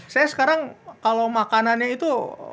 saya sekarang kalau makanannya itu